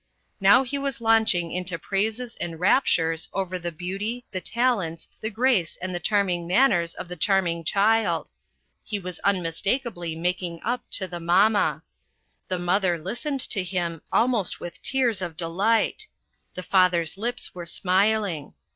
Now he was launching into praises and raptures over the beauty, the talents, the grace and the charming manners of the charming child. He was unmistakably making up to the mamma. The mother listened to him almost with tears of delight. The father's lips AM re smiling.